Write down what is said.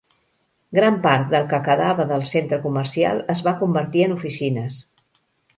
Gran part del que quedava del centre comercial es va convertir en oficines.